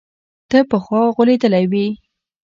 ته پخوا غولېدلى وي.